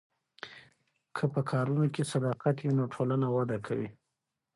که په کارونو کې صداقت وي نو ټولنه وده کوي.